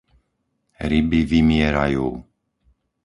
Ryby vymierajú!